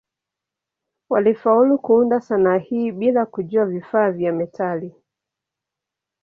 Walifaulu kuunda sanaa hii bila kujua vifaa vya metali.